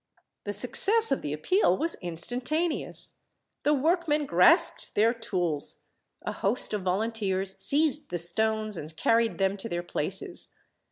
The success of the appeal was instantaneous. The workmen grasped their tools. A host of volunteers seized the stones and carried them to their places.